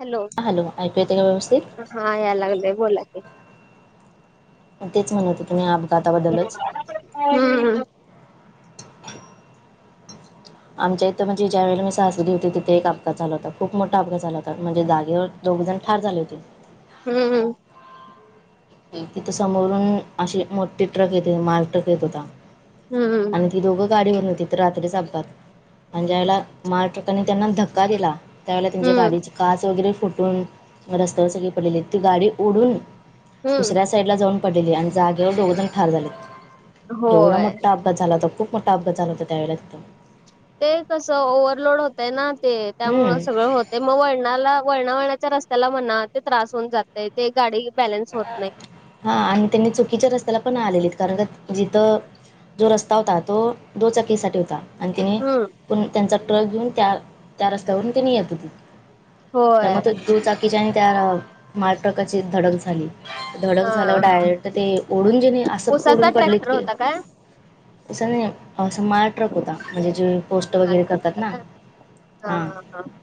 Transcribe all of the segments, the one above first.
Hello, ऐकू येते का व्यवस्थित हा याय लागलं बोला की, तेच म्हणत होते मी आ हम्. [inaudible] आमच्या इथं म्हणजे ज्या वेळे मी सासरी होती, तिथे एक अघात झाला होता. खूप मोठा अपघात झाला होता. म्हणजे जागेवर दोघंजण ठार झाले होते. हम्मम. तिथं समोरून अे मोठे ट्रक येते माल ट्रक येत होता. हम्म. आणि ती दोघं गाडी होन होती तर रात्रीच अपघात म्हण ज्याला माहा ट्रकानी त्यांना धक्का दिला. त्यावेळेला त्यांुमच्या हम्म गाडीची काच वगैरे फुटून रस्त्यावर सगळी पडलेली ती गाडी ओढून. हम्म दुसऱ्या साईड ला जाऊन पडलेली आणि जागेवर दोघ जण ठार झाले एवढा होय मोठा- अपात झाला होता खूप मोठा अघात झाला होता त्यावेळेला. ते कस ओवर्हलोड होतय ना ते त्यामुळे हम्म सगळं होत. ते मग वळणाला वळणा वळणाच्या रस्त्याला म्हणा ते त्रास होऊन जातय ते गाडी बॅलन्स होत नाही. हा आणि त्यांनी चुकीच्या रस्त्याला पण आलेलीत कारण का जिथं. जो रस्ता होता तो दोचाकीसाठी होता. आणि तिने हम्म पण त्यांचा ट्रक घेऊन त्या त्या रस्त्यावरून तिने येत होती. होय त्यामुळे दुचाकीच्या आणि त्या माल ट्रकाची धडक झाली. धडक हा झालं डायरेक्ट ते ओढून जेणे असं उसाचा ओढून पडलेत ट्रॅक्टर की. होता काय स नाही. हो असं मार ट्रक होता म्हणजे जे पोस्ट हा वगैरे करतात ना हां. हा हा.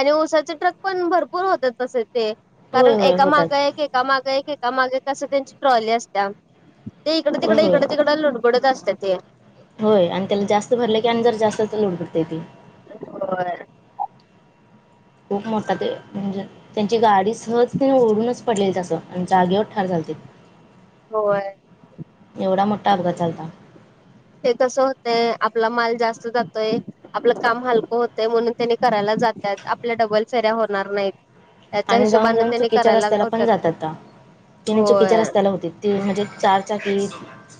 आणि उसाचे ट्रक पण भरपूर होत तसे ते होय कारण होय एका होतात माग. एक एका मागे एकका मागे कस त्यांची ट्रॉली असत. ते इकडे होय तिकडे होय इकडे तिकड आो गडत असते ते. होय आणि त्याला जास्त भरलं की अ जर जास्तच लोड पडतेय त ते. होय. खूप मोठा ते म्हणजे त्यांची गाडी. सहजतेने ओढूनच पडलेली तं आणि जागेवर ठार चालते. होय. एवढा मोठा अपघात झालता. ते कस होतय आपला माल जास्त जातोय आपलं काम हलकं होतंय म्हणून त्याने करायला जातात आपल्या डबल फेऱ्या होणार नाहीत. त्याच्या आणि जाऊन हिशोबाने जाऊन त्यांनी चुकीच्या करायला रस्त्याला पण होतात जातातअ तिन्ही होय चुकीच्या रस्त्याला होतीत. त म्हणजे चारचाकी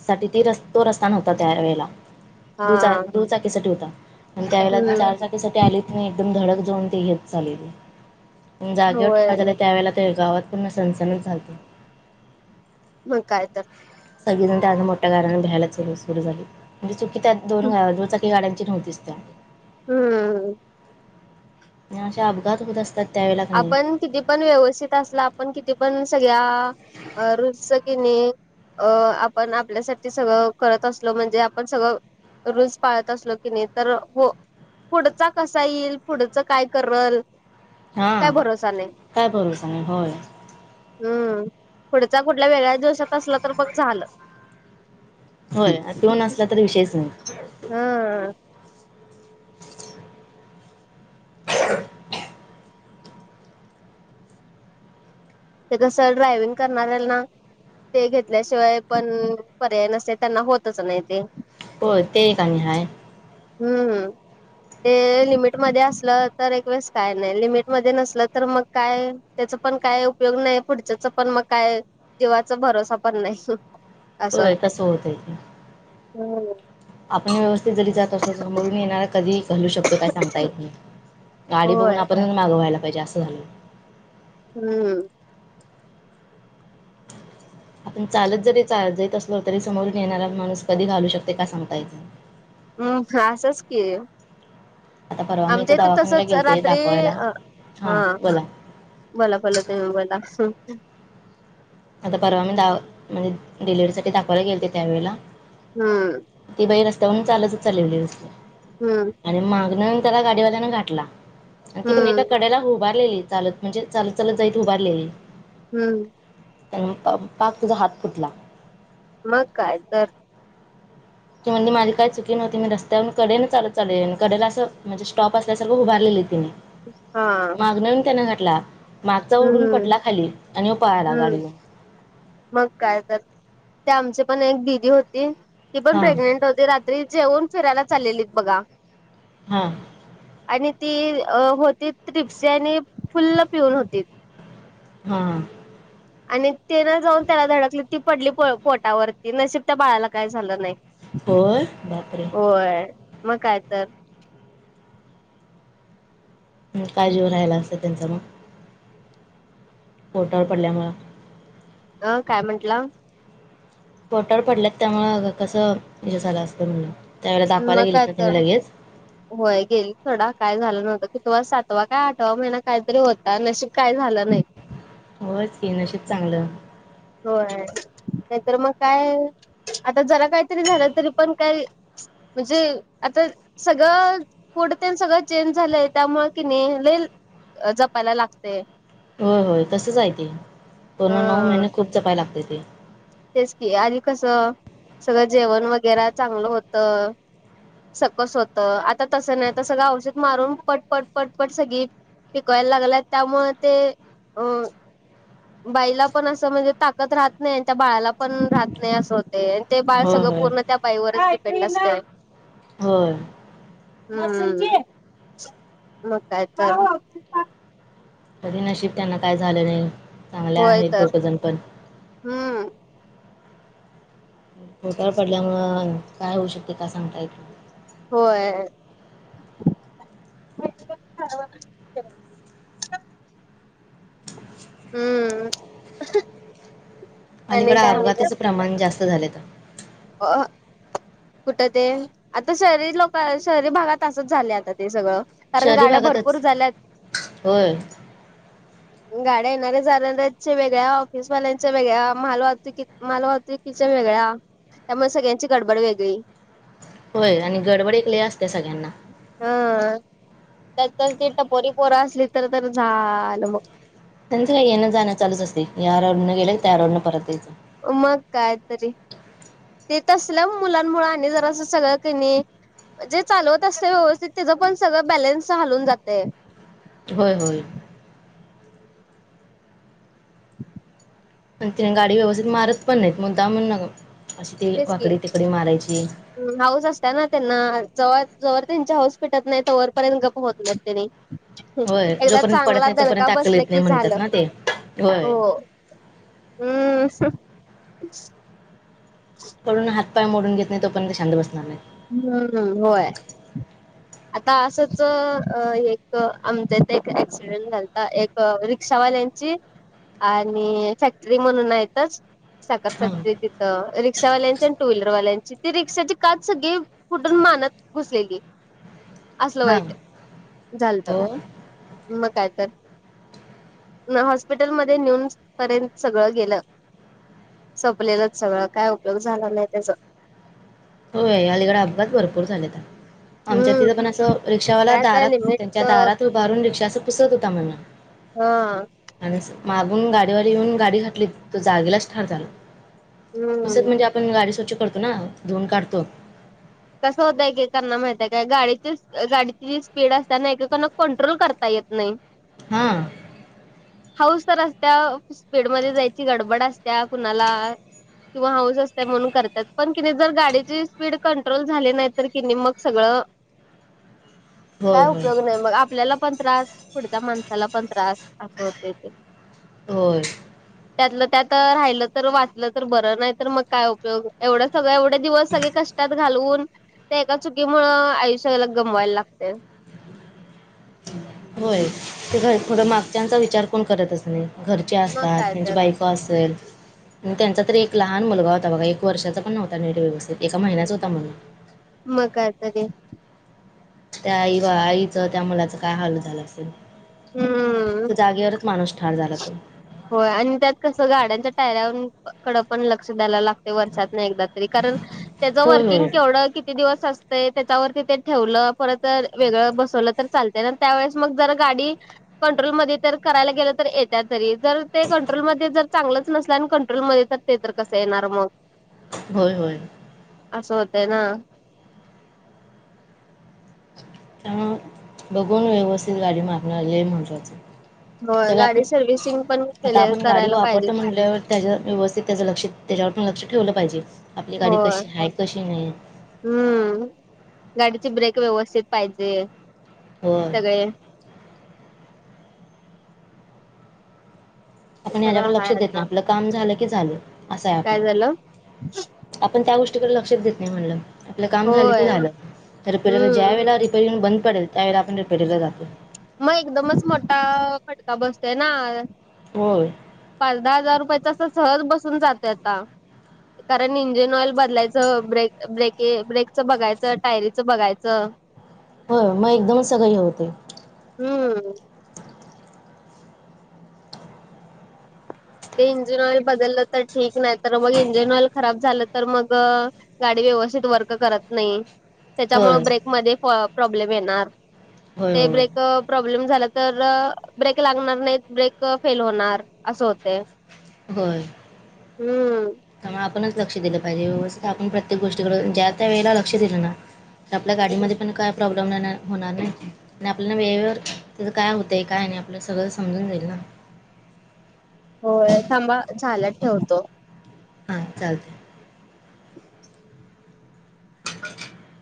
साठी ती रस् तो रस्ता नव्हता त्यावेेळेला हा दू चा दूचाकीसाठी होता आणि त्यावेळेला हम्म चार चाकी त्यासाठी आलीत नाही एकदम धडक जाऊन ते घेत चालेली. जागेवर होय ठार झाले त्यावेळेला ते गावात पूर्ण सनसनच झालत. मग काय तर. सगळीजण त्या आज मोठ्या कारराने भ्यायलालू सुरू झाली म्हणजे. की त्यात दोन दुचाकी गाड्यांची नव्हतीस त्या हम्म. आणि असे अपघात होत असतात. त्यावेळेला क नाही आपण. किती पण व्यवस्थित असला आपण किती पण सगळ्या रुट कि नाही. अ आपण आपल्यासाठी सगळं करत असलो म्हणजे आपण सगळं रुल पाळत असलो की नाही तर हो पुढचा कसा येईल पुढचं काय करल. हा काय भरोसा नाही काय भरोसा नाही होय. हम्म, पुढच्या कुठल्या वेगळ्याच जोशात असला तर मग झालं. होय आणि पिऊन असला तर विषयच नाही. हा, [inaudible] [inaudible] ते कसं ड्रायविंग करणारल्यानां. ते घेतल्याशिवाय पण पर्याय नसतंत त्यांना होतच नाही ते. होय ते आणि एक हाय. हम्म, ते लिमिटमध्ये असलं तर एक वेळेस काय नाही लिमिटमध्ये नसलं तर मग काय. त्याचा पण काय उपयोग नाही पुढच्याच पण मग काय जीवाचा भरोसा पण नाही सोड. होय तस होतय ते. हम्म आपण व्यवस्थित जरी जात असलो समोरून येणार कधी घालू शकतो. तर काय सांगता येत नाही गाडी होय बघून आपण मागं वा्हायला पाहिजे असं झालंय. हम्म, [inaudible] आपण चालत जरी जात असलो तरी समोरून येणारा माणूस कधी घालू शकतो काय सांगता येतं नाही. हम्, खा असंच की. आता परवा मी आमच्या इथं दवाखान्याला तसच गेलते रात्री दाखवायला अ हां हा, बोला बोला बोला तुम्ही बोला. आता परवा मी दा म्हणजे डिलिव्हीरी साठी दाखवायला गेलते त्या वेळेला. हम्म, ती बाई रस्ता वरूण‌ चालतचं चालली होती. हम्म, आणि मागनं त्याला गाडीवाल्यान घाठला आणि ती पण एका हम्म कडेला उभारलेली चालत. म्हणजे चालत चालत जाईत उभारलेली. हम्म, त्या मूळ पाप पाक तिचा हात फुटला. मग काय तर. ती म्हणली माझी काय चुकी नव्हती मी रस्त्यावर कडेन चालत चालेली कडेला असं म्हणजे स्टॉप असल्यासारखं उभारलेलीत त्यांने. हा माग येऊन त्यान घटला मागचा ओढून हम्म पटला खाली आणि पळाला गाडी हम्म घेऊन. मग काय कर ते आमची पण एक दिदी होती ती पण हां प्रेग्नेंट होती रात्री. तरी जेवन फिरायला चाललेली बघा. हा, आणि ती होती रिक्षा आणि फुल्ल पिऊन होतीत. हा, आणि तेना जाऊन त्याला धडकली ती पडली पो पोटावरती नशीब त्या बाळाला काय झालं नाही. होय बापरे होय मग काय तर. मग काय जीव राहायला असलं त्यांचा मग. पोटावर पडल्यामुळ. अ काय म्हंटला. पोटाळ पडल्यात त्यामुळेकसं य झालं असतं म्हूनल. मग काय तर. ह [inaudible] होय गेली सोडा काय झालं नव्हतं कितवा सातवा काय आठवा महिना काहीतरी होता नशीब काय झालं नाही. होच की नशिब चांगलं. होय नाहीतर मग काय आता जरा काहीतरी झालं तरी पण काय म्हणजे आता सगळं फूड तेन सगळं चेंज झालंय त्यामुळे की नी लय अ जपायला लागते. होय होय तसंच आहे की ते पूर्ण नऊ हा महिने खूप जपाय लागते ते. तेच की आदी कसं सगळं जेवण वगैरे चांगलं होतं सकस होतं आता तसं नाही तर सगळं औषध मारून पटपट पटपट सगळी पिकवायला लागलय त्यामुळे ते अ बाईला पण असं म्हणजे ताकत राहत नाही त्या बाळाला पण राहत नाही असं होते आन ते बाळ होय सगळं होय पूर्ण त्या बाईवरच डिपेंड असतं. होय. हम्म मग काय तर. कधी नशीब त्यांना काय झालं नाही चांगल्या होय आहेत तर दोघंजण पण. हम्म. पोटावर पडल्यामुळं काय होऊ शकते काय सांगता येत नाही. होय. हम्म. आणि अलीकडं काय अपघाताचं प्रमाण जास्त झालेयत. अ ह कुठं ते आता शहरी लोकं शहरी भागात असच झाले आता ते सगळं. कारण शहरी गाड्या भरपूर भागातच झाल्यात. होय [inaudible] गाड्या येणारऱ्या जाणारऱ्याचे वेगळ्या ऑफिसवाल्यांच्या वेगळ्या मालवाहतकी मालवाहत किच्या वेगळा त्यामुळे सगळ्यांची गडबड वेगळी. होय आणि गडबड एक लय असते सगळ्यांना. हा त्यात ती टपोरी पोरं असली तर तर झालं मग. त्यांचं काही येनं जाणं चालुच असते या रोडनं गेले त्या रोडनं परत यायचं. मग कायतरी. ते तसल्या मुलांमुळे आणि जरा असं सगळ्या क नी जे चालवत असते व्यवस्थित त्याजा पण सगळं बॅलन्स हलून जाते. होय होय. [inaudible] पण तिने गाडी व्यवस्थित मारत पण नाहीत मुद्दामुन अशी ती वाकडी तिकडी मारायची. हम्म हाऊस असत्या ना त्यांना ज जोवर त्यांचे हाऊस फेटत नाही तोवर पर्यंत गप्प होत नाही त्यानी. होय एकदा जोपर्यंत पडत चांगला नाही गणका तोपर्यंत अक्कल बसलं येत नाही की म्हणतात झालं ना ते होय हो. हम्म. पडून हात पाय मोडून घेत नाही तोपर्यंत शांत बसणार नायत. मगं ना होय. आता असच अ एक आमचे ते एक ऍक्सिडेंट घालता ए क रिक्षावाल्यांची आणि फॅक्टरी म्हणून आहेतच साखर हां फॅक्टरी तिथं रिक्षावाल्यांची आणि टू व्हीलरवाल्यांची ती रिक्षाची का सगळे कुठून मानत घुसलेले. असल हां वाईट झालत. हो मग काय तर ना हॉस्पिटलमध्ये नेऊन पर्यंत सगळं गेलं. सोपलेलंच सगळं काय उपयोग झाला नाही त्याचा. होय अलीकडा अपघात भरपूर झालेता आमच्या हम्म तिथं पण असं रिक्षावाला काय काय दारात लिमिट त्यांच्या दारात उभा राहुन रिक्षा अस पुसत होता. म्हण हा आणि मागून गाडीवाला येऊन गाडी घातली. तो जागेलाच ठार झाला. पुसत हम्म म्हणजे आपण गाडी स्वच्छ करतो ना धुवुन काढतो. कसं होतय एक एकाना माहितय काय? गाडीची गाडीची जी स्पीड असते ना? एककान कंट्रोल करता येत नाही. हा हाऊस तर असत्या स्पीडमध्ये जायची गडबड असत्या कुणाला? किंवा हाऊस असते म्हणून करतात. पण कि जर गाडीची स्पीड कं कंट्रोल झाली नाही. तर की मग सगळं [inaudible] होय काय होय उपयोग नाही. मग आपल्याला पण त्रास पुढच्या माणसाला पण त्रास अस होते. ते होय त्यातलं त्यात राहिलं तर वाचलं तर बरं. नाही तर मग काय? उपयोग एवढं सगळं एवढे दिवस सगळे कष्टात घालून त्या एका चुकीमुळे आयुष्याला गमवायला लागते. होय ते घर थोडं मागच्यांचा विचार कोण करतच नाही. घर चे मग असतात काय त्यांची तर बायको असेल आणि त्यांचा तर एक लहान मुलगा होता. बघा एक वर्षाचा पण नव्हता. नीट व्यवस्थित एका महिन्याच होता. म्हण मग काय तर ते त्या आई व आईचं त्या मुलाचं काय हाल झालं असेल. हम्म [inaudible] तो जागेवरच माणूस ठार झाला तो. होय आणि त्यात कसं? गाड्यांच्या टायऱ्यावर कडं पण लक्ष द्यायला लागत. वर्षातून एकदा तरी कारण त्याचं होय वर्किंग होय केवढ की किती दिवस असते. त्याच्यावरती ते ठेवलं परत वेगळं बसवलं तर चालतय. आणि त्यावेेळेस मग जर गाडी‌ कंट्रोल मध्ये तर करायला गेल तर येत तरी जर ते कंट्रोल मध्ये जर चांगलंच नसला आणि कंट्रोलमध्ये तर ते तर कसं येणार मग. होय होय असं होतय ना- त्यामुळे बघून व्यवस्थित गाडी मागन आलेली लय महत्वाचय- [inaudible] होय जर आता गाडी सर्व्हिसिंग पण केले आपण गाडी करायला वापरतो पाहिजेच म्हटल्यावर- त्याच्या व्यवस्थित त्याच लक्ष त्याच्यावर पण लक्ष ठेवलं पाहिजे. आपली गाडी होय कशी आहे? कशी नाही. हम्म गाडीची ब्रेक व्यवस्थित पाहिजे होय सगळे. आपण सगळं ह्याच्याकडे हाय लक्ष देत आता नाही. आपलं काम झालं की झालं असं आहे काय आपलं. झालं आपण त्या गोष्टीकडे लक्षात देत नाही. म्हणलं आपलं काम झालं की होय झालं. तर आपल्याला ज्या हम्म वेळेला तिथे येऊन बंद पडेल. त्यावेळे आपण रीपेरींगला जातो. मग एकदमच मोठा फटका बसतोय ना. हो पाच दहा हजार रुपयाचा असं सहज बसून जाते आता. कारण इंजिन ऑइल बदलायचं, ब्रेक, ब्रेक ब्रेकचं बघायचं, टायरीचं बघायचं. हो मग एकदम सगळ हे होते. हम्म ते इंजिन ऑइल बदललं तर ठीक. नाही तर मग इंजिन ऑइल खराब झालं तर मग. गाडी व्यवस्थित वर्क करत नाही. त्याच्यामु होय ब्रेकमध्ये प्रॉब्लेम येणार. होय ते होय ब्रेक प्रॉब्लेम झाला तर ब्रेक लागणार नाही. ब्रेक फेल होणार. असं होते. होय हम्म त्यामुळे आपणच लक्ष दिलं पाहिजे. व्यवस्थित आपण प्रत्ये गोष्टी कडे ज्या त्या वेळेला लक्ष दिलं ना, आपल्या गाडीमध्ये पण काय प्रॉब्लेम प्रॉब्म होणार नाही. आणि आपल्याला वेळेवेर त्याचं काय होतं. काय नाही. आपल्या सगळं समजून जाईल ना. हो थांबा. झालाते ठेवतो. हां चालतंय. [inaudible]